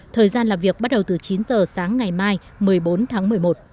thời gian làm việc bắt đầu từ chín giờ sáng ngày mai một mươi bốn tháng một mươi một